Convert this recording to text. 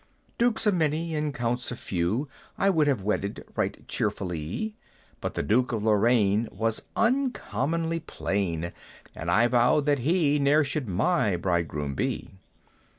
"Dukes a many, and Counts a few, I would have wedded right cheerfullie; But the Duke of Lorraine was uncommonly plain, And I vowed that he ne'er should my bridegroom be!